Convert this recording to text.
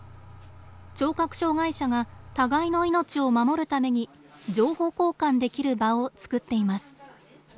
聴覚障害者が互いの命を守るために情報交換できる場を作っています。